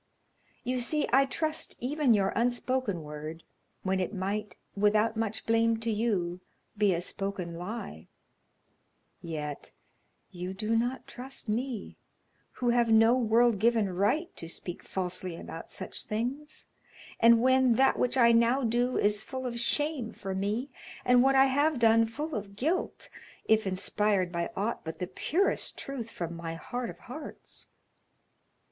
You see I trust even your unspoken word, when it might, without much blame to you, be a spoken lie; yet you do not trust me, who have no world given right to speak falsely about such things, and when that which I now do is full of shame for me, and what I have done full of guilt, if inspired by aught but the purest truth from my heart of hearts.